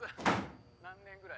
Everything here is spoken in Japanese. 何年ぐらい？